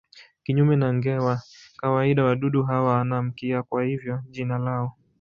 Kinyume na nge wa kawaida wadudu hawa hawana mkia, kwa hivyo jina lao.